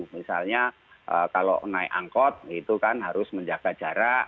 misalnya kalau naik angkot itu kan harus menjaga jarak